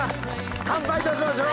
乾杯いたしましょう！